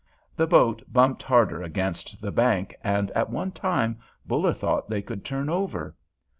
The boat bumped harder against the bank, and at one time Buller thought they could turn over.